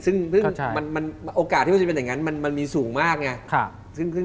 ซึ่งโอกาสที่มันจะเป็นอย่างนั้นมันมีสูงมากไง